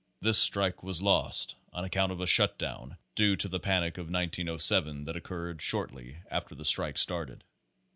This strike was lost on account of a shutdown due to the panic of 1907 that occurred shortly after the strike started.